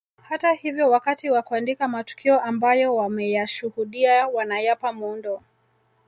Hata hivyo wakati wa kuandika matukio ambayo wameyashuhudia wanayapa muundo